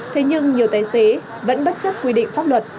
thế nhưng nhiều tài xế vẫn bất chấp quy định pháp luật